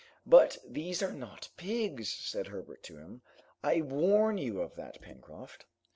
"But these are not pigs," said Herbert to him, "I warn you of that, Pencroft."